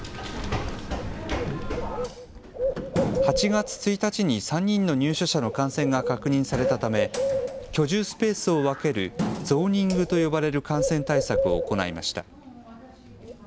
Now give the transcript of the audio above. ８月１日に３人の入所者の感染が確認されたため居住スペースを分けるゾーニングと呼ばれる感染対策を行いました。